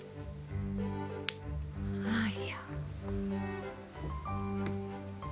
よいしょ。